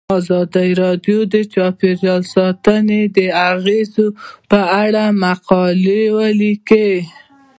ازادي راډیو د چاپیریال ساتنه د اغیزو په اړه مقالو لیکلي.